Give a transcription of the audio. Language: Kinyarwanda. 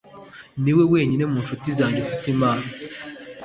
Niwe wenyine mu nshuti zanjye ufite impano.